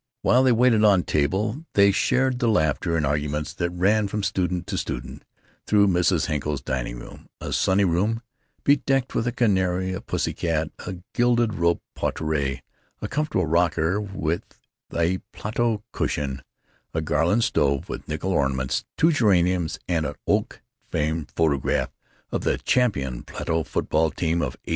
While they waited on table they shared the laughter and arguments that ran from student to student through Mrs. Henkel's dining room—a sunny room bedecked with a canary, a pussy cat, a gilded rope portière, a comfortable rocker with a Plato cushion, a Garland stove with nickel ornaments, two geraniums, and an oak framed photograph of the champion Plato football team of 1899.